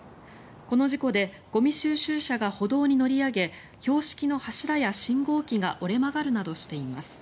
この事故でゴミ収集車が歩道に乗り上げ標識の柱や信号機が折れ曲がるなどしています。